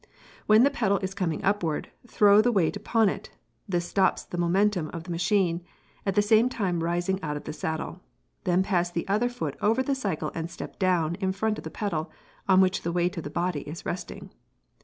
When the pedal is coming upward, throw the weight upon it—this stops the momentum of the machine—at the same time rising out of the saddle, then pass the other foot over the cycle and step down in front of the pedal, on which the weight of the body is resting.